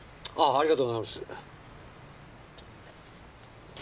ありがとうございます。